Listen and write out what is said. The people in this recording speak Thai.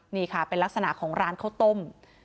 นี่ค่ะเป็นลักษณะของร้านข้าวต้ม